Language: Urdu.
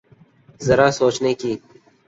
ذرا سوچنے کی۔